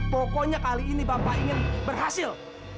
pokoknya kali ini bapak ingin berhasil